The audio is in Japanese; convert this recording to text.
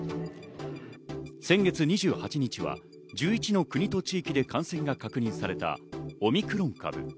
先月２８日には１１の国と地域で感染が確認されたオミクロン株。